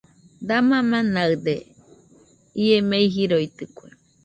!Dama manaɨde¡ ie mei jiroitɨke